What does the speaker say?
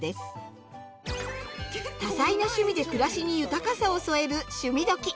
多彩な趣味で暮らしに豊かさを添える「趣味どきっ！」。